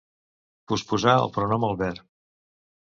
Posposar el pronom al verb.